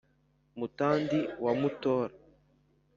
mutandi wa mutora